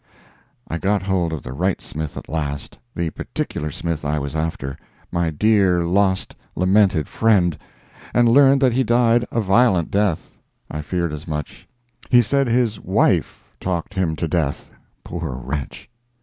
I got hold of the right Smith at last—the particular Smith I was after—my dear, lost, lamented friend—and learned that he died a violent death. I feared as much. He said his wife talked him to death. Poor wretch!